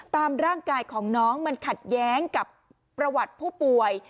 ตามร่างกายของน้องมันขัดแย้งกับประวัติผู้ป่วย